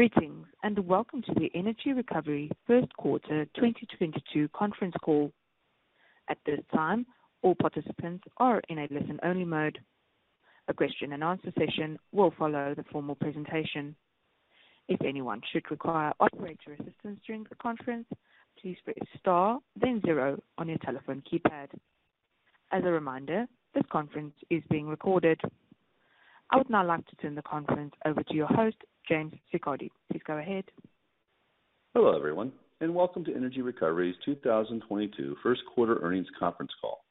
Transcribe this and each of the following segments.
Greetings, and welcome to the Energy Recovery first quarter 2022 conference call. At this time, all participants are in a listen only mode. A question and answer session will follow the formal presentation. If anyone should require operator assistance during the conference, please press star then zero on your telephone keypad. As a reminder, this conference is being recorded. I would now like to turn the conference over to your host, James Siccardi. Please go ahead. Hello, everyone, and welcome to Energy Recovery's 2022 first quarter earnings conference call.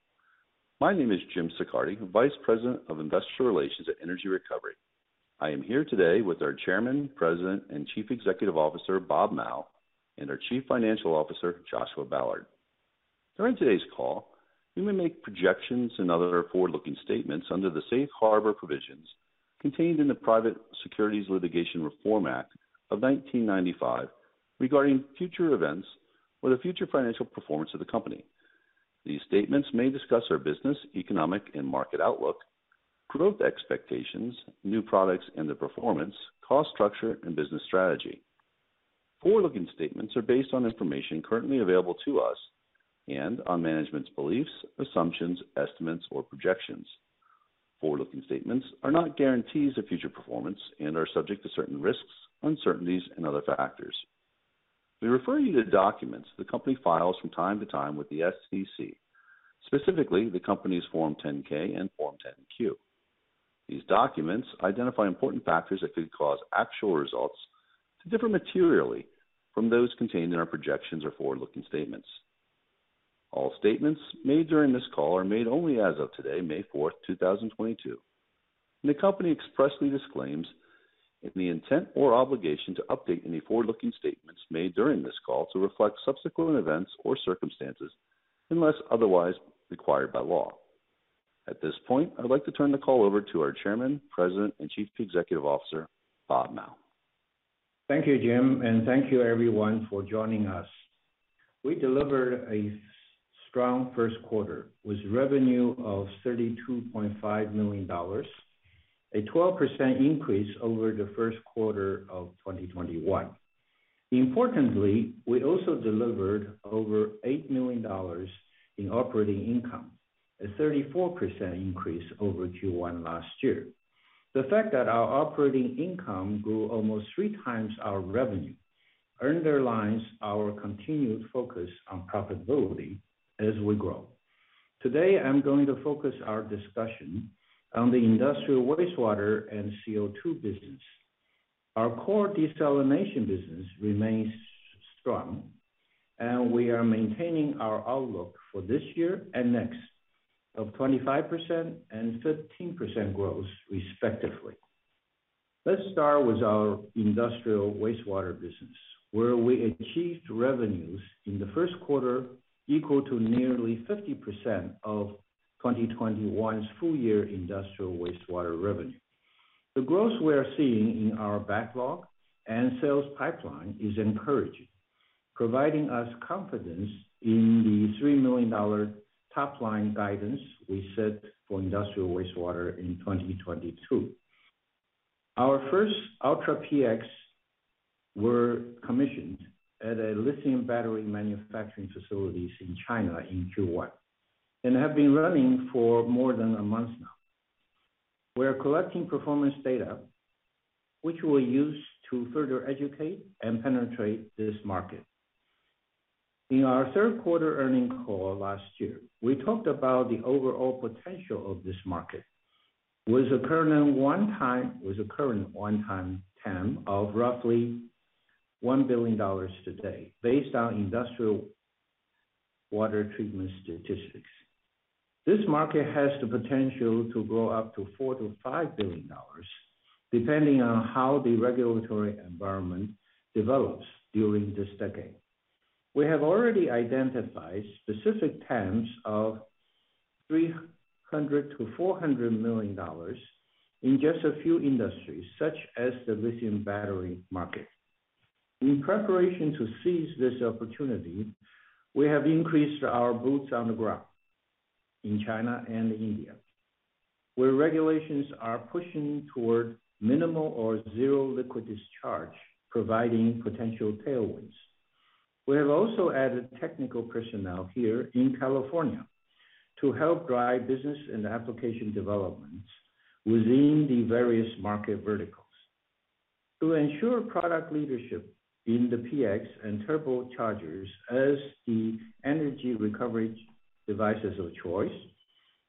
My name is Jim Siccardi, Vice President of Investor Relations at Energy Recovery. I am here today with our Chairman, President, and Chief Executive Officer, Bob Mao, and our Chief Financial Officer, Joshua Ballard. During today's call, we may make projections and other forward-looking statements under the safe harbor provisions contained in the Private Securities Litigation Reform Act of 1995 regarding future events or the future financial performance of the company. These statements may discuss our business, economic, and market outlook, growth expectations, new products and their performance, cost structure, and business strategy. Forward-looking statements are based on information currently available to us and on management's beliefs, assumptions, estimates, or projections. Forward-looking statements are not guarantees of future performance and are subject to certain risks, uncertainties, and other factors. We refer you to documents the company files from time to time with the SEC, specifically the company's Form 10-K and Form 10-Q. These documents identify important factors that could cause actual results to differ materially from those contained in our projections or forward-looking statements. All statements made during this call are made only as of today, May 4th, 2022, and the company expressly disclaims any intent or obligation to update any forward-looking statements made during this call to reflect subsequent events or circumstances unless otherwise required by law. At this point, I'd like to turn the call over to our Chairman, President, and Chief Executive Officer, Robert Mao. Thank you, Jim, and thank you everyone for joining us. We delivered a strong first quarter with revenue of $32.5 million, a 12% increase over the first quarter of 2021. Importantly, we also delivered over $8 million in operating income, a 34% increase over Q1 last year. The fact that our operating income grew almost three times our revenue underlines our continued focus on profitability as we grow. Today, I'm going to focus our discussion on the industrial wastewater and CO2 business. Our core desalination business remains strong, and we are maintaining our outlook for this year and next of 25% and 13% growth respectively. Let's start with our industrial wastewater business, where we achieved revenues in the first quarter equal to nearly 50% of 2021's full year industrial wastewater revenue. The growth we are seeing in our backlog and sales pipeline is encouraging, providing us confidence in the $3 million top-line guidance we set for industrial wastewater in 2022. Our first Ultra PX were commissioned at a lithium battery manufacturing facilities in China in Q1 and have been running for more than a month now. We are collecting performance data which we'll use to further educate and penetrate this market. In our third quarter earnings call last year, we talked about the overall potential of this market with a current onetime TAM of roughly $1 billion today based on industrial water treatment statistics. This market has the potential to grow up to $4-$5 billion, depending on how the regulatory environment develops during this decade. We have already identified specific TAMs of $300 million-$400 million in just a few industries, such as the lithium battery market. In preparation to seize this opportunity, we have increased our boots on the ground in China and India, where regulations are pushing toward minimal or Zero Liquid Discharge, providing potential tailwinds. We have also added technical personnel here in California to help drive business and application development within the various market verticals. To ensure product leadership in the PX and Turbochargers as the energy recovery devices of choice,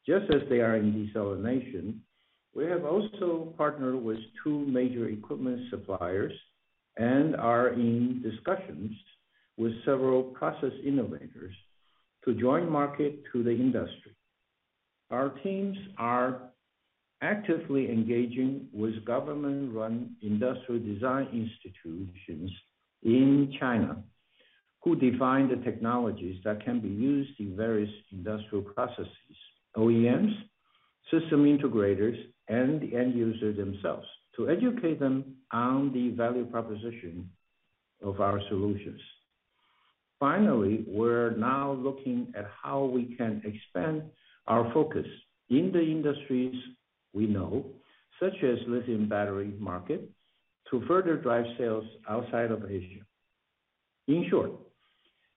just as they are in desalination, we have also partnered with two major equipment suppliers and are in discussions with several process innovators to join market to the industry. Our teams are actively engaging with government-run industrial design institutions in China who define the technologies that can be used in various industrial processes, OEMs, system integrators, and the end user themselves to educate them on the value proposition of our solutions. Finally, we're now looking at how we can expand our focus in the industries we know, such as lithium battery market, to further drive sales outside of Asia. In short,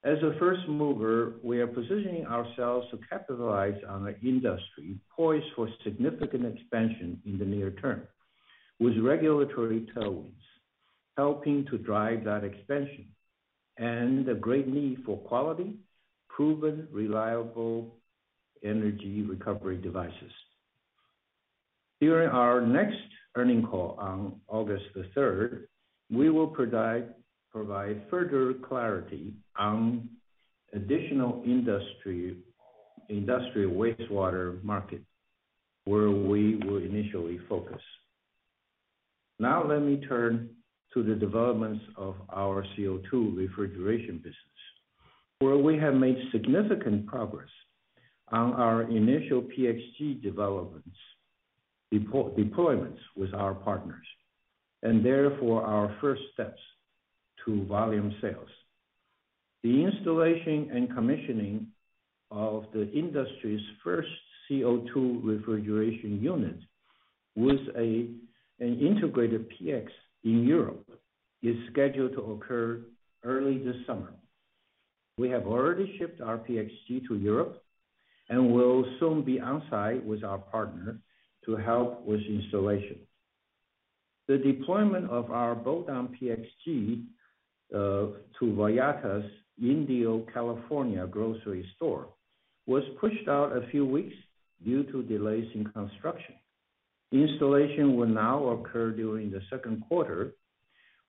as a first mover, we are positioning ourselves to capitalize on an industry poised for significant expansion in the near term, with regulatory tailwinds helping to drive that expansion, and a great need for quality, proven, reliable energy recovery devices. During our next earnings call on August the 3rd, we will provide further clarity on additional industrial wastewater market where we will initially focus. Now let me turn to the developments of our CO2 refrigeration business, where we have made significant progress on our initial PXG deployments with our partners, and therefore our first steps to volume sales. The installation and commissioning of the industry's first CO2 refrigeration unit with an integrated PX in Europe is scheduled to occur early this summer. We have already shipped our PXG to Europe, and will soon be on site with our partner to help with installation. The deployment of our bolt-on PXG to Vallarta's Indio, California grocery store was pushed out a few weeks due to delays in construction. The installation will now occur during the second quarter.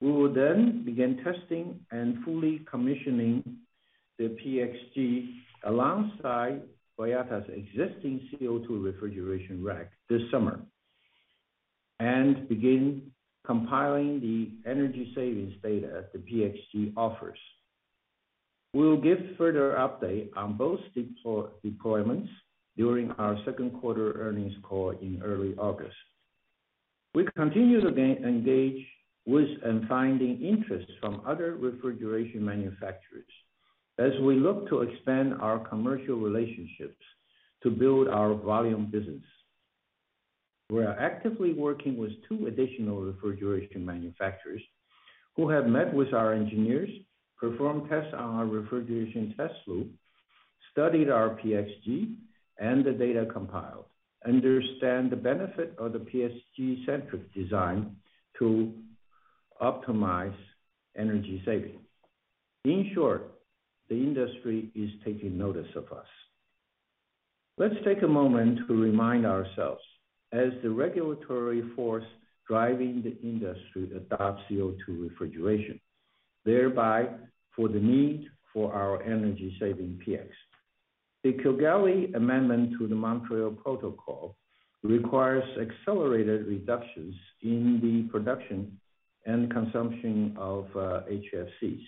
We will then begin testing and fully commissioning the PXG alongside Vallarta's existing CO2 refrigeration rack this summer, and begin compiling the energy savings data the PXG offers. We will give further update on both deployments during our second quarter earnings call in early August. We continue to engage with and finding interest from other refrigeration manufacturers as we look to expand our commercial relationships to build our volume business. We are actively working with two additional refrigeration manufacturers who have met with our engineers, performed tests on our refrigeration test loop, studied our PXG and the data compiled, understand the benefit of the PXG-centric design to optimize energy savings. In short, the industry is taking notice of us. Let's take a moment to remind ourselves as the regulatory force driving the industry adopt CO2 refrigeration, thereby for the need for our energy-saving PX. The Kigali Amendment to the Montreal Protocol requires accelerated reductions in the production and consumption of HFCs,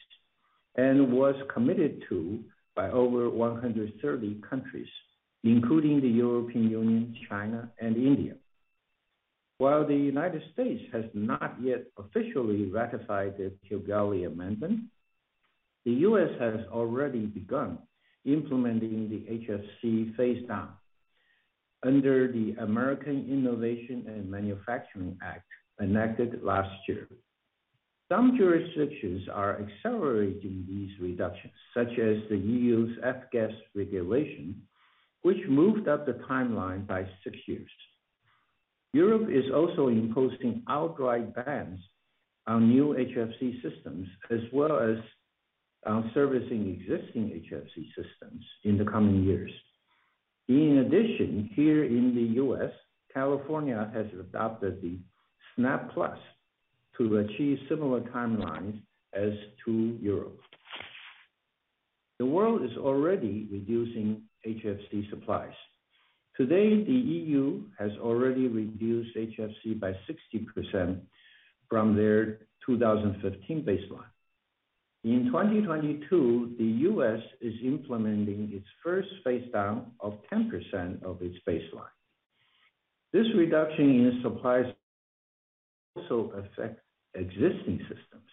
and was committed to by over 130 countries, including the European Union, China, and India. While the United States has not yet officially ratified the Kigali Amendment, the U.S. has already begun implementing the HFC phase down under the American Innovation and Manufacturing Act enacted last year. Some jurisdictions are accelerating these reductions, such as the EU's F-gas regulation, which moved up the timeline by six years. Europe is also imposing outright bans on new HFC systems as well as on servicing existing HFC systems in the coming years. In addition, here in the U.S., California has adopted the SNAP Plus to achieve similar timelines as to Europe. The world is already reducing HFC supplies. Today, the EU has already reduced HFC by 60% from their 2015 baseline. In 2022, the U.S. is implementing its first phase down of 10% of its baseline. This reduction in supplies also affect existing systems.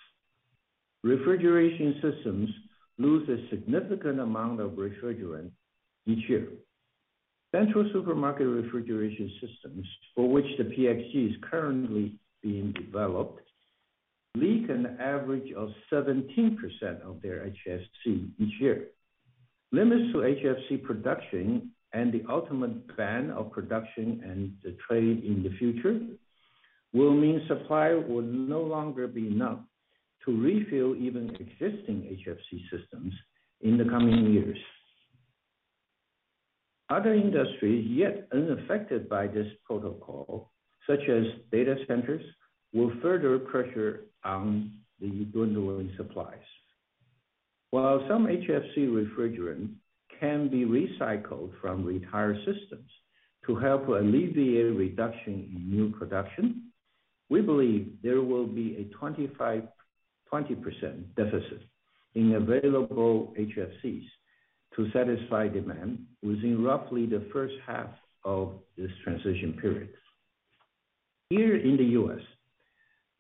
Refrigeration systems lose a significant amount of refrigerant each year. Central supermarket refrigeration systems, for which the PXG is currently being developed, leak an average of 17% of their HFC each year. Limits to HFC production and the ultimate ban of production and the trade in the future will mean supply will no longer be enough to refill even existing HFC systems in the coming years. Other industries yet unaffected by this protocol, such as data centers, will further pressure on the dwindling supplies. While some HFC refrigerant can be recycled from retired systems to help alleviate reduction in new production, we believe there will be a 20% deficit in available HFCs to satisfy demand within roughly the first half of this transition period. Here in the U.S.,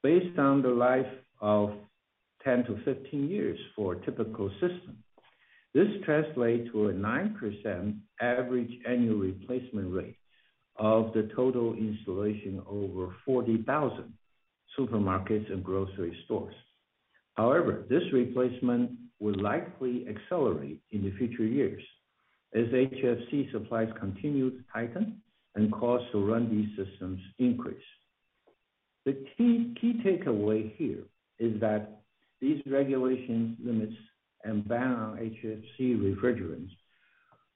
based on the life of 10-15 years for a typical system, this translates to a 9% average annual replacement rate of the total installation over 40,000 supermarkets and grocery stores. However, this replacement will likely accelerate in the future years as HFC supplies continue to tighten and costs to run these systems increase. The key takeaway here is that these regulation limits and ban on HFC refrigerants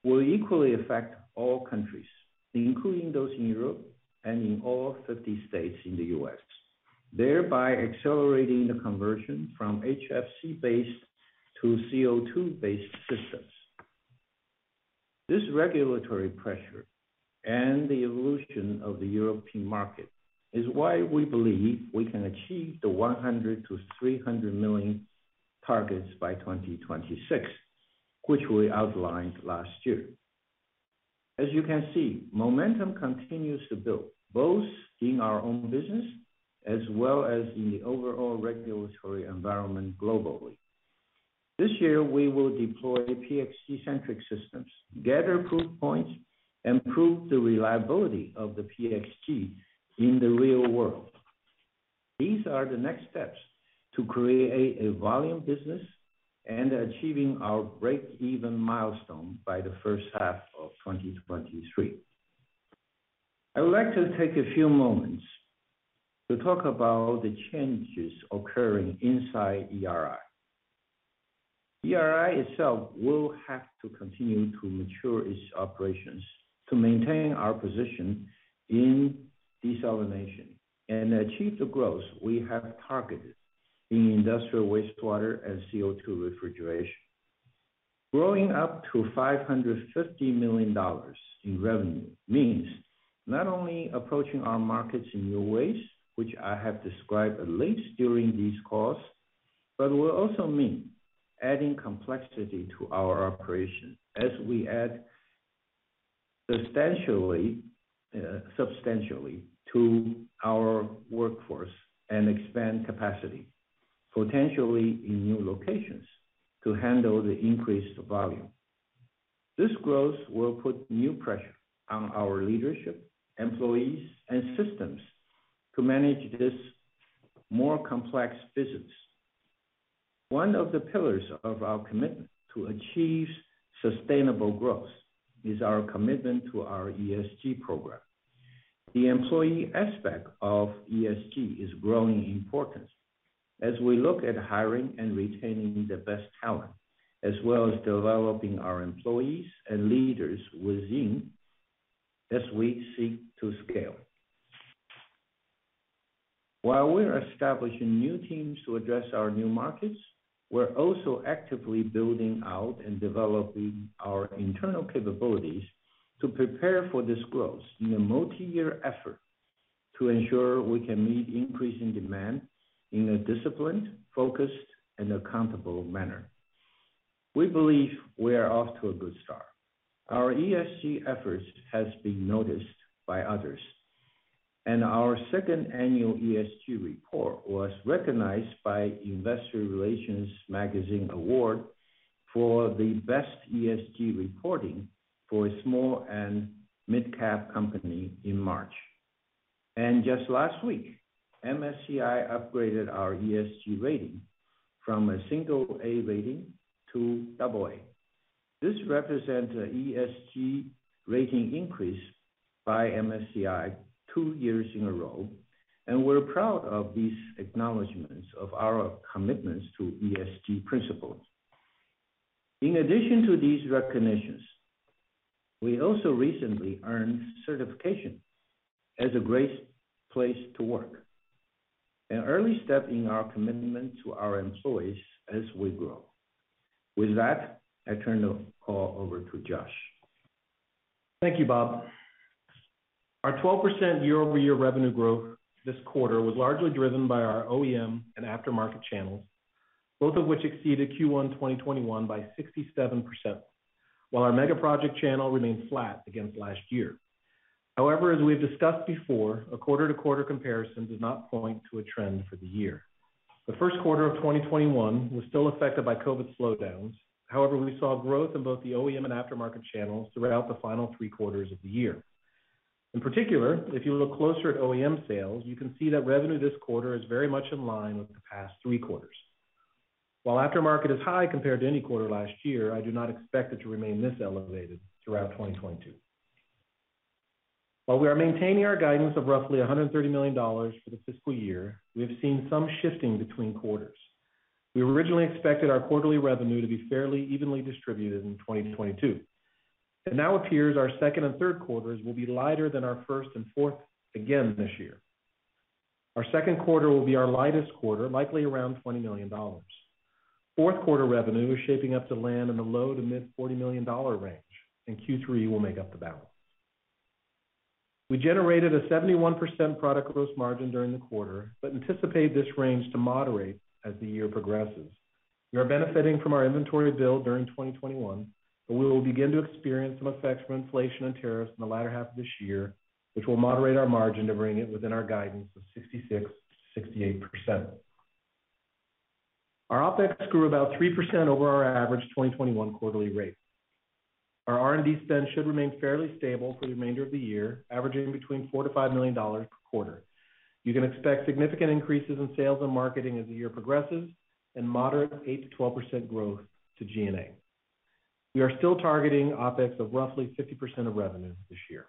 will equally affect all countries, including those in Europe and in all 50 states in the U.S., thereby accelerating the conversion from HFC-based to CO2-based systems. This regulatory pressure and the evolution of the European market is why we believe we can achieve the $100-$300 million targets by 2026, which we outlined last year. As you can see, momentum continues to build, both in our own business as well as in the overall regulatory environment globally. This year, we will deploy the PXG-centric systems, gather proof points, and prove the reliability of the PXG in the real world. These are the next steps to create a volume business and achieving our break-even milestone by the first half of 2023. I would like to take a few moments to talk about the changes occurring inside ERI. ERI itself will have to continue to mature its operations to maintain our position in desalination and achieve the growth we have targeted in industrial wastewater and CO₂ refrigeration. Growing up to $550 million in revenue means not only approaching our markets in new ways, which I have described at length during this call, but will also mean adding complexity to our operation as we add substantially to our workforce and expand capacity, potentially in new locations to handle the increased volume. This growth will put new pressure on our leadership, employees, and systems to manage this more complex business. One of the pillars of our commitment to achieve sustainable growth is our commitment to our ESG program. The employee aspect of ESG is growing in importance as we look at hiring and retaining the best talent, as well as developing our employees and leaders within as we seek to scale. While we are establishing new teams to address our new markets, we're also actively building out and developing our internal capabilities to prepare for this growth in a multi-year effort to ensure we can meet increasing demand in a disciplined, focused, and accountable manner. We believe we are off to a good start. Our ESG efforts has been noticed by others, and our second annual ESG report was recognized by IR Magazine Award for the best ESG reporting for a small and mid-cap company in March. Just last week, MSCI upgraded our ESG rating from a single A rating to double A. This represents a ESG rating increase by MSCI two years in a row, and we're proud of these acknowledgments of our commitments to ESG principles. In addition to these recognitions, we also recently earned certification as a great place to work, an early step in our commitment to our employees as we grow. With that, I turn the call over to Josh. Thank you, Bob. Our 12% year-over-year revenue growth this quarter was largely driven by our OEM and aftermarket channels, both of which exceeded Q1 2021 by 67%, while our mega project channel remained flat against last year. However, as we've discussed before, a quarter-to-quarter comparison does not point to a trend for the year. The first quarter of 2021 was still affected by COVID slowdowns. However, we saw growth in both the OEM and aftermarket channels throughout the final three quarters of the year. In particular, if you look closer at OEM sales, you can see that revenue this quarter is very much in line with the past three quarters. While aftermarket is high compared to any quarter last year, I do not expect it to remain this elevated throughout 2022. While we are maintaining our guidance of roughly $130 million for the fiscal year, we have seen some shifting between quarters. We originally expected our quarterly revenue to be fairly evenly distributed in 2022. It now appears our second and third quarters will be lighter than our first and fourth again this year. Our second quarter will be our lightest quarter, likely around $20 million. Fourth quarter revenue is shaping up to land in the low- to mid-$40 million range, and Q3 will make up the balance. We generated a 71% product gross margin during the quarter, but anticipate this range to moderate as the year progresses. We are benefiting from our inventory build during 2021, but we will begin to experience some effects from inflation and tariffs in the latter half of this year, which will moderate our margin to bring it within our guidance of 66%-68%. Our OpEx grew about 3% over our average 2021 quarterly rate. Our R&D spend should remain fairly stable for the remainder of the year, averaging between $4 million-$5 million per quarter. You can expect significant increases in sales and marketing as the year progresses and moderate 8%-12% growth to G&A. We are still targeting OpEx of roughly 50% of revenues this year.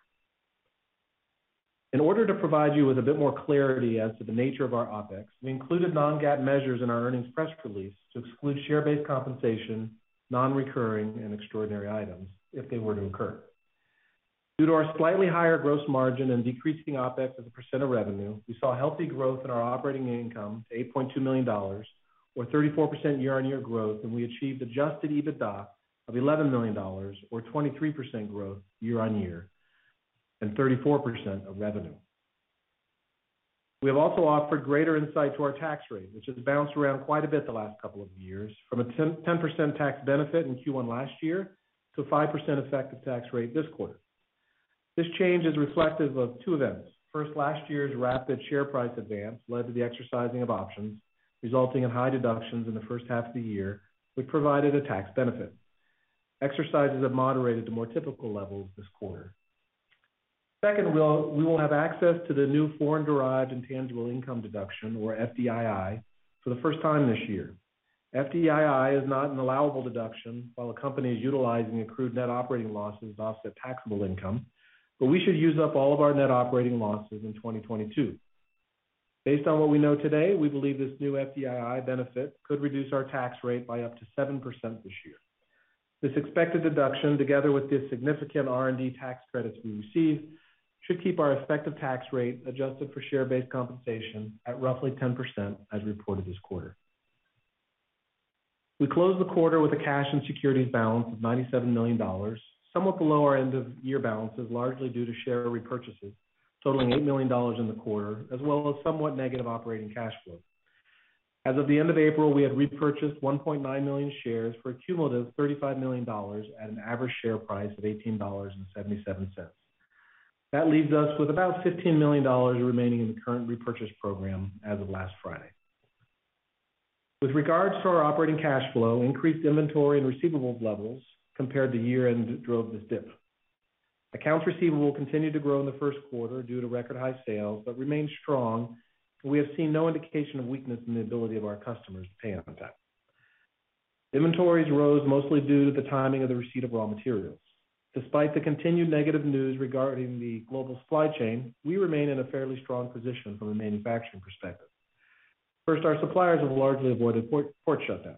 In order to provide you with a bit more clarity as to the nature of our OpEx, we included non-GAAP measures in our earnings press release to exclude share-based compensation, non-recurring and extraordinary items if they were to incur. Due to our slightly higher gross margin and decreasing OpEx as a percent of revenue, we saw healthy growth in our operating income to $8.2 million or 34% year-on-year growth, and we achieved adjusted EBITDA of $11 million or 23% growth year-on-year and 34% of revenue. We have also offered greater insight to our tax rate, which has bounced around quite a bit the last couple of years from a 10.10% tax benefit in Q1 last year to a 5% effective tax rate this quarter. This change is reflective of two events. First, last year's rapid share price advance led to the exercising of options, resulting in high deductions in the first half of the year, which provided a tax benefit. Exercises have moderated to more typical levels this quarter. Second, we will have access to the new foreign derived intangible income deduction, or FDII, for the first time this year. FDII is not an allowable deduction while the company is utilizing accrued net operating losses to offset taxable income, but we should use up all of our net operating losses in 2022. Based on what we know today, we believe this new FDII benefit could reduce our tax rate by up to 7% this year. This expected deduction, together with the significant R&D tax credits we receive, should keep our effective tax rate adjusted for share-based compensation at roughly 10% as reported this quarter. We closed the quarter with a cash and securities balance of $97 million, somewhat below our end of year balances, largely due to share repurchases totaling $8 million in the quarter, as well as somewhat negative operating cash flow. As of the end of April, we had repurchased 1.9 million shares for a cumulative $35 million at an average share price of $18.77. That leaves us with about $15 million remaining in the current repurchase program as of last Friday. With regards to our operating cash flow, increased inventory and receivables levels compared to year-end drove this dip. Accounts receivable continued to grow in the first quarter due to record high sales, but remain strong, and we have seen no indication of weakness in the ability of our customers to pay on time. Inventories rose mostly due to the timing of the receipt of raw materials. Despite the continued negative news regarding the global supply chain, we remain in a fairly strong position from a manufacturing perspective. First, our suppliers have largely avoided port shutdowns.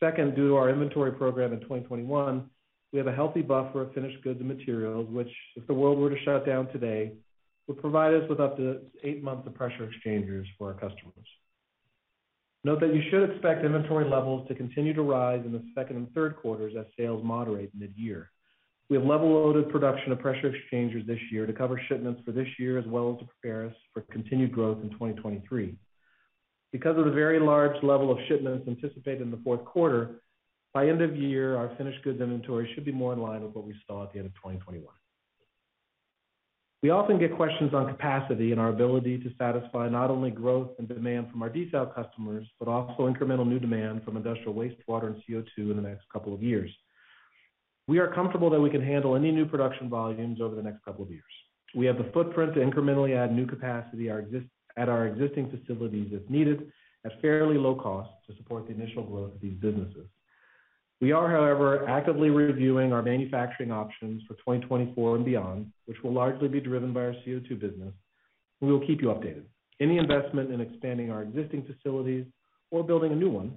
Second, due to our inventory program in 2021, we have a healthy buffer of finished goods and materials, which, if the world were to shut down today, would provide us with up to eight months of pressure exchangers for our customers. Note that you should expect inventory levels to continue to rise in the second and third quarters as sales moderate mid-year. We have level loaded production of pressure exchangers this year to cover shipments for this year, as well as to prepare us for continued growth in 2023. Because of the very large level of shipments anticipated in the fourth quarter, by end of year, our finished goods inventory should be more in line with what we saw at the end of 2021. We often get questions on capacity and our ability to satisfy not only growth and demand from our desal customers, but also incremental new demand from industrial wastewater and CO2 in the next couple of years. We are comfortable that we can handle any new production volumes over the next couple of years. We have the footprint to incrementally add new capacity at our existing facilities if needed, at fairly low cost to support the initial growth of these businesses. We are, however, actively reviewing our manufacturing options for 2024 and beyond, which will largely be driven by our CO2 business, and we will keep you updated. Any investment in expanding our existing facilities or building a new one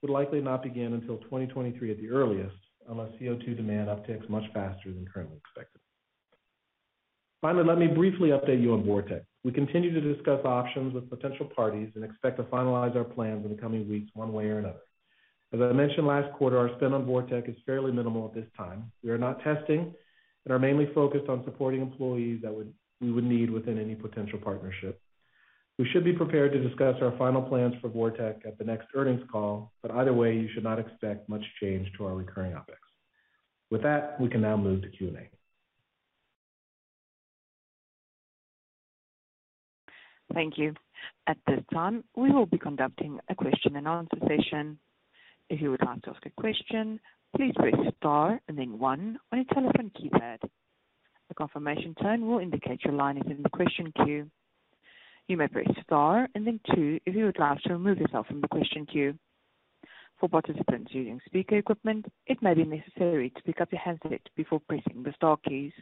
would likely not begin until 2023 at the earliest, unless CO2 demand upticks much faster than currently expected. Finally, let me briefly update you on VorTeq. We continue to discuss options with potential parties and expect to finalize our plans in the coming weeks one way or another. As I mentioned last quarter, our spend on VorTeq is fairly minimal at this time. We are not testing and are mainly focused on supporting employees that we would need within any potential partnership. We should be prepared to discuss our final plans for VorTeq at the next earnings call, but either way, you should not expect much change to our recurring OpEx. With that, we can now move to Q&A. Thank you. At this time, we will be conducting a question and answer session. If you would like to ask a question, please press star and then one on your telephone keypad. A confirmation tone will indicate your line is in the question queue. You may press star and then two if you would like to remove yourself from the question queue. For participants using speaker equipment, it may be necessary to pick up your handset before pressing the star keys.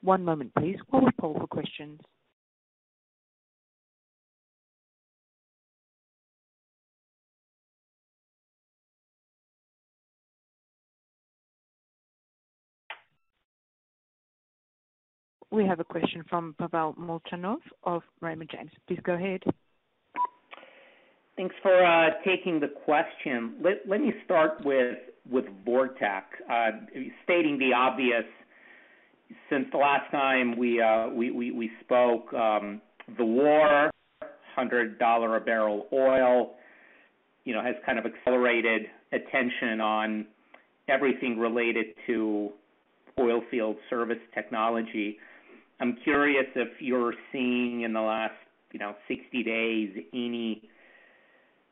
One moment please while we poll for questions. We have a question from Pavel Molchanov of Raymond James. Please go ahead. Thanks for taking the question. Let me start with VorTeq. Stating the obvious. Since the last time we spoke, the $100 a barrel oil, you know, has kind of accelerated attention on everything related to oil field service technology. I'm curious if you're seeing in the last, you know, 60 days any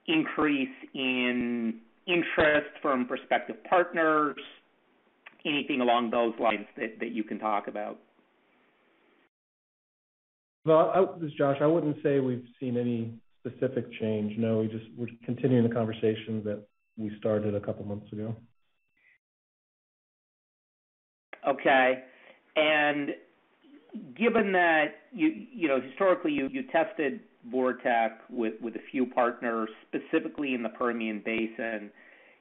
increase in interest from prospective partners, anything along those lines that you can talk about. Well, this is Josh. I wouldn't say we've seen any specific change. No, we're continuing the conversation that we started a couple months ago. Okay. Given that you know, historically you tested VorTeq with a few partners, specifically in the Permian Basin,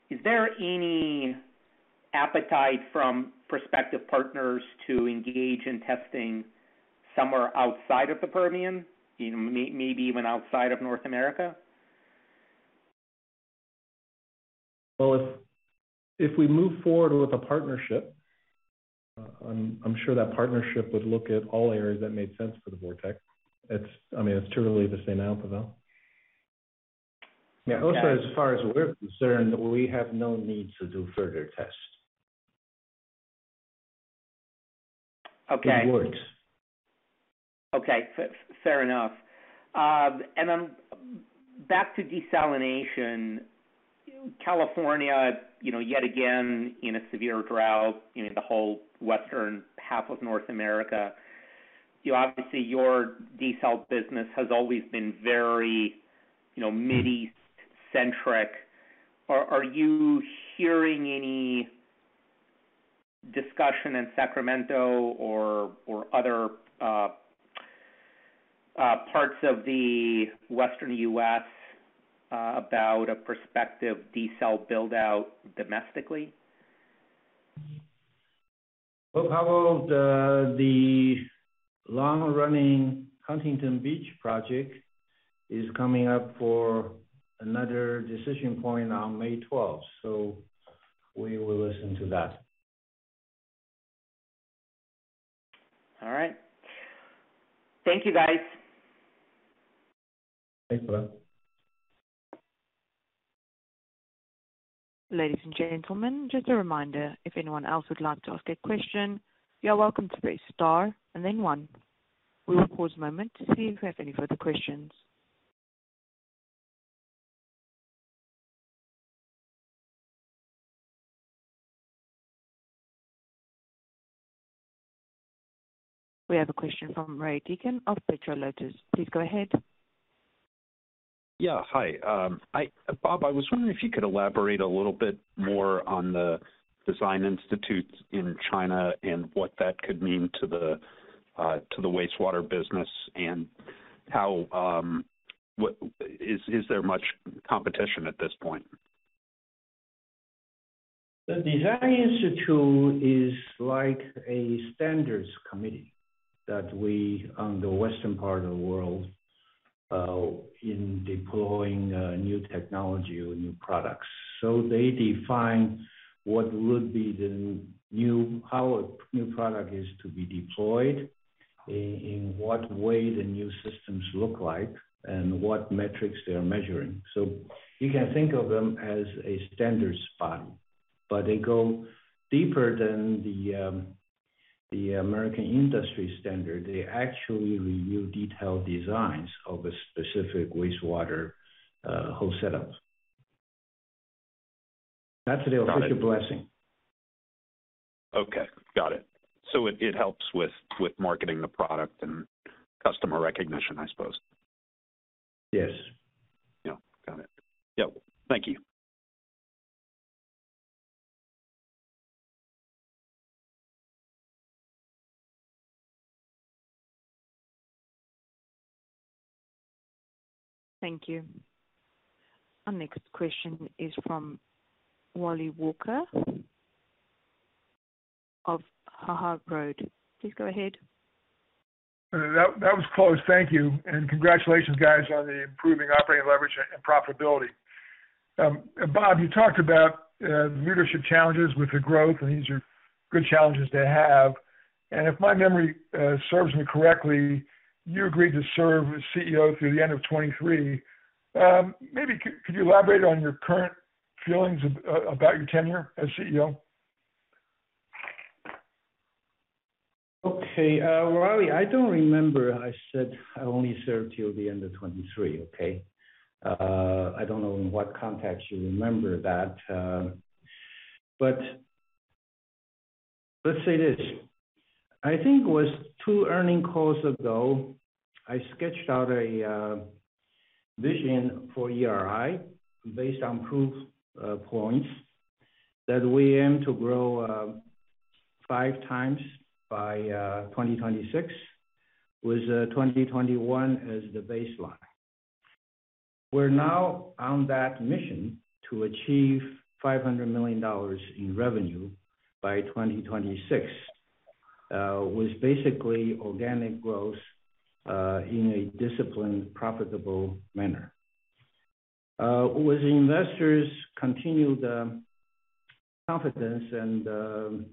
is there any appetite from prospective partners to engage in testing somewhere outside of the Permian, maybe even outside of North America? Well, if we move forward with a partnership, I'm sure that partnership would look at all areas that made sense for the VorTeq. I mean, it's truly the same platform, though. Yeah. Okay. As far as we're concerned, we have no need to do further tests. Okay. It works. Okay. Fair enough. Back to desalination. California, you know, yet again in a severe drought in the whole western half of North America. You know, obviously, your desal business has always been very, you know, Mideast centric. Are you hearing any discussion in Sacramento or other parts of the Western U.S., about a prospective desal build-out domestically? Well, Pavel, the long-running Huntington Beach project is coming up for another decision point on May 12, so we will listen to that. All right. Thank you, guys. Thanks, Pavel Molchanov. Ladies and gentlemen, just a reminder, if anyone else would like to ask a question, you are welcome to press star and then one. We will pause a moment to see if we have any further questions. We have a question from Ray Deacon of Petro Lotus. Please go ahead. Yeah, hi. Bob, I was wondering if you could elaborate a little bit more on the design institutes in China and what that could mean to the wastewater business and how. Is there much competition at this point? The design institute is like a standards committee that we on the western part of the world in deploying new technology or new products. They define what would be the new, how a new product is to be deployed, in what way the new systems look like and what metrics they are measuring. You can think of them as a standards body, but they go deeper than the American industry standard. They actually review detailed designs of a specific wastewater whole setup. That's their official blessing. Okay, got it. It helps with marketing the product and customer recognition, I suppose. Yes. Yeah. Got it. Yeah. Thank you. Thank you. Our next question is from Wally Walker of Hana Road Capital. Please go ahead. That was close. Thank you and congratulations guys on the improving operating leverage and profitability. Bob, you talked about leadership challenges with the growth, and these are good challenges to have. If my memory serves me correctly, you agreed to serve as CEO through the end of 2023. Maybe could you elaborate on your current feelings about your tenure as CEO? Okay. Wally, I don't remember I said I only serve till the end of 2023, okay. I don't know in what context you remember that, but let's say this, I think it was two earnings calls ago, I sketched out a vision for ERI based on proof points that we aim to grow five times by 2026, with 2021 as the baseline. We're now on that mission to achieve $500 million in revenue by 2026, with basically organic growth in a disciplined, profitable manner. With investors continued confidence and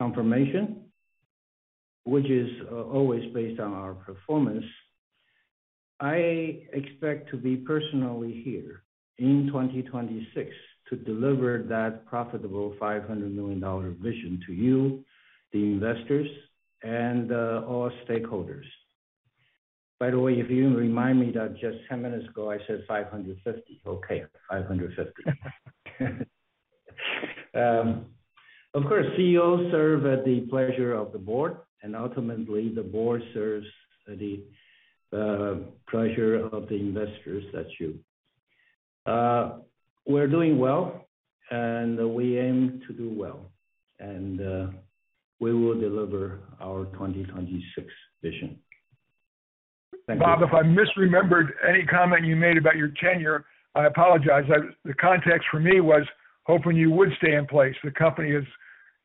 confirmation, which is always based on our performance, I expect to be personally here in 2026 to deliver that profitable $500 million dollar vision to you, the investors and all stakeholders. By the way, if you remind me that just 10 minutes ago I said 550. Okay, 550. Of course, CEOs serve at the pleasure of the board, and ultimately the board serves at the pleasure of the investors. We're doing well, and we aim to do well, and we will deliver our 2026 vision. Thank you. Bob, if I misremembered any comment you made about your tenure, I apologize. The context for me was hoping you would stay in place. The company has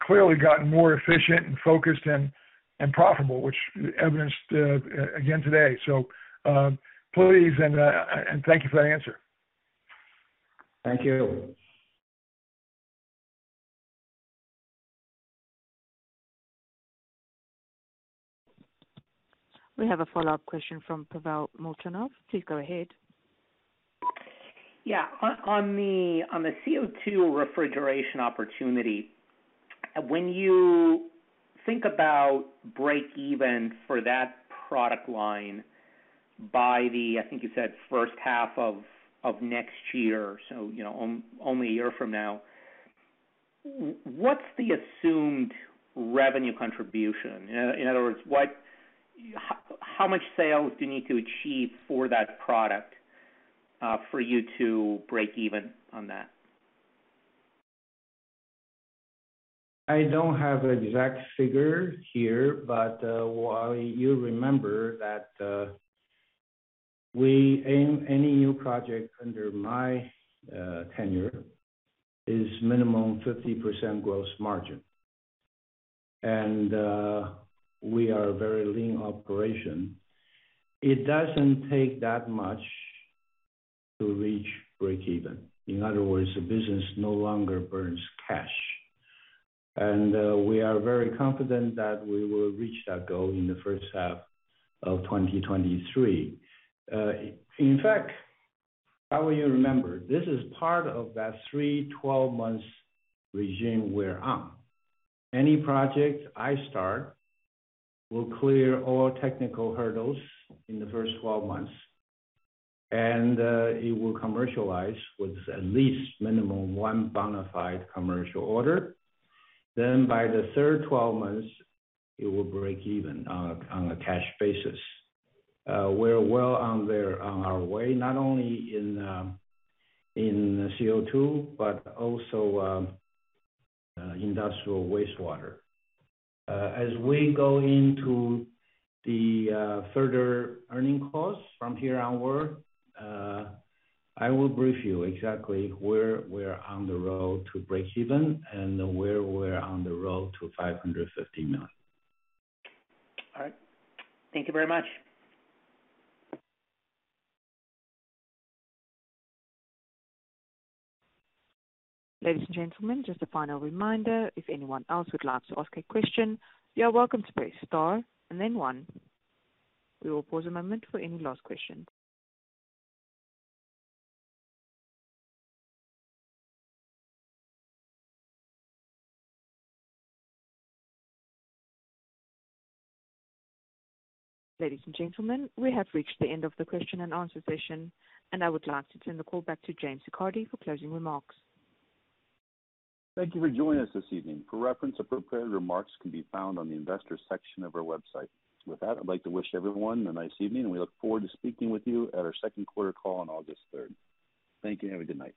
clearly gotten more efficient and focused and profitable, which evidenced again today. Please and thank you for that answer. Thank you. We have a follow-up question from Pavel Molchanov. Please go ahead. Yeah. On the CO2 refrigeration opportunity, when you think about break even for that product line by the, I think you said first half of next year, so you know, only a year from now, what's the assumed revenue contribution? In other words, how much sales do you need to achieve for that product for you to break even on that? I don't have an exact figure here, but while you remember that we aim any new project under my tenure is minimum 50% gross margin. We are a very lean operation. It doesn't take that much to reach break even. In other words, the business no longer burns cash. We are very confident that we will reach that goal in the first half of 2023. In fact, how will you remember, this is part of that three 12 months regime we're on. Any project I start will clear all technical hurdles in the first 12 months, and it will commercialize with at least minimum one bona fide commercial order. By the third 12 months, it will break even on a cash basis. We're well on our way, not only in CO2 but also industrial wastewater. As we go into the future earnings calls from here onward, I will brief you exactly where we're on the road to break even and where we're on the road to $550 million. All right. Thank you very much. Ladies and gentlemen, just a final reminder, if anyone else would like to ask a question, you are welcome to press star and then one. We will pause a moment for any last questions. Ladies and gentlemen, we have reached the end of the question and answer session, and I would like to turn the call back to James Siccardi for closing remarks. Thank you for joining us this evening. For reference, appropriate remarks can be found on the investor section of our website. With that, I'd like to wish everyone a nice evening, and we look forward to speaking with you at our second quarter call on August third. Thank you, and have a good night.